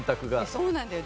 そうなんだよ。